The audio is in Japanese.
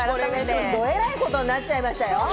どえらいことになっちゃいましたよ。